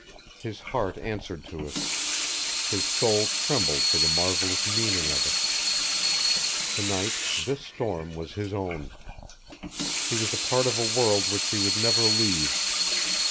His heart answered to it. His soul trembled to the marvelous meaning of it. To night this storm was his own. He was a part of a world which he would never leave.